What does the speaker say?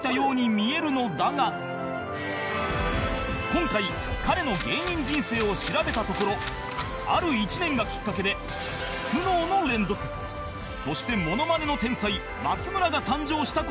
今回彼の芸人人生を調べたところある１年がきっかけで苦悩の連続そしてモノマネの天才松村が誕生した事がわかった